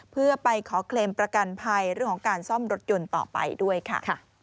เพื่อไปขอเคลมประกันภัยเรื่องของการซ่อมรถยนต์ต่อไปด้วยค่ะ